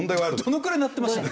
どのくらい鳴ってました？